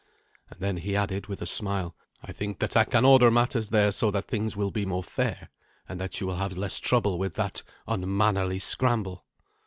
And then he added, with a smile, "I think that I can order matters there so that things will be more fair, and that you will have less trouble with that unmannerly scramble."